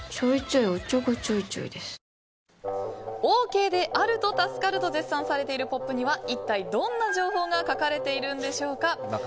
オーケーであると助かると絶賛されているポップには、一体どんな情報が書かれているんでしょうか。